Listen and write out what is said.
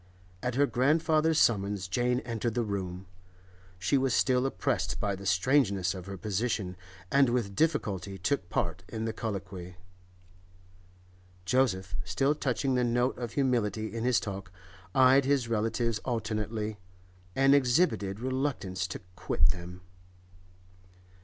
At her grandfather's summons Jane entered the room. She was still oppressed by the strangeness of her position, and with difficulty took part in the colloquy. Joseph, still touching the note of humility in his talk, eyed his relatives alternately, and exhibited reluctance to quit them.